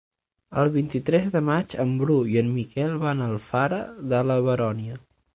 El vint-i-tres de maig en Bru i en Miquel van a Alfara de la Baronia.